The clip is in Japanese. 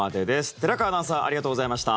寺川アナウンサーありがとうございました。